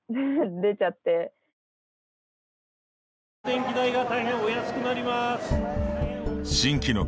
電気代が大変お安くなります。